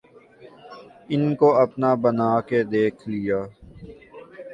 ان کو اپنا بنا کے دیکھ لیا